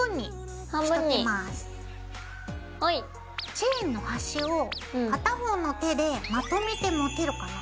チェーンのはしを片方の手でまとめて持てるかな？